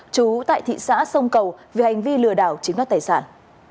chú tại thị xã sông cầu vì hành vi lừa đảo chiếm đoạt tài sản